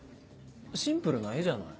シンプルな絵じゃない。